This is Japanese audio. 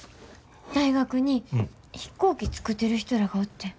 大学に飛行機作ってる人らがおってん。